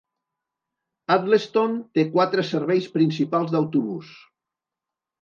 Addlestone té quatre serveis principals d'autobús.